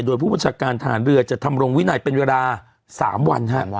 โดยผู้บัญชาการฐานเรือจะทำรงวินัยเป็นเวลา๓วัน